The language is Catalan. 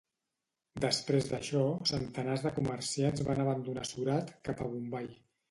Després d'això centenars de comerciants van abandonar Surat cap a Bombai.